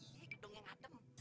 iya gedung yang adem